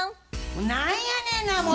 何やねんなもう。